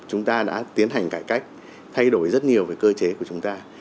chúng ta đã tiến hành cải cách thay đổi rất nhiều về cơ chế của chúng ta